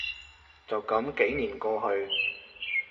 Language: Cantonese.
就噉幾年過去